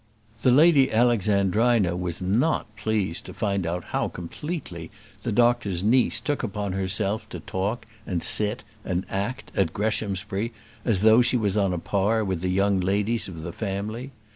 The Lady Alexandrina was not pleased to find how completely the doctor's niece took upon herself to talk, and sit, and act at Greshamsbury as though she was on a par with the young ladies of the family.